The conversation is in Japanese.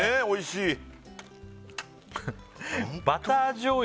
おいしい